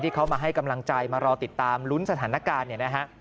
ที่เขามาให้กำลังใจมารอติดตามลุ้นสถานการณ์